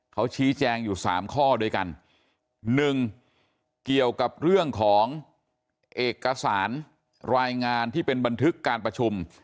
เขาชี้แจงอยู่สามข้อด้วยกันหนึ่งเกี่ยวกับเรื่องของเอกสารรายงานที่เป็นบันทึกการประชุม